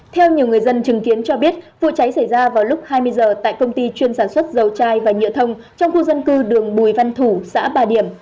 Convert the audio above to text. theo nhiều người dân chứng kiến cho biết vụ cháy xảy ra vào lúc hai mươi h tại công ty chuyên sản xuất dầu chai và nhựa thông trong khu dân cư đường bùi văn thủ xã bà điểm